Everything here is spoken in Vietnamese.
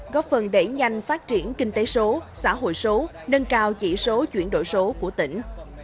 góp phần đẩy nhanh phát triển kinh tế số xã hội số nâng cao chỉ số chuyển đổi số của tỉnh